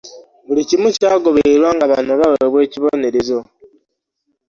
Buli kimu kyagobererwa nga bano baweebwa ekibonerezo